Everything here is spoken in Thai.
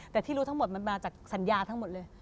แต่ที่รู้ทั้งหมดมันมาจากสัญญาทั้งหมดเลย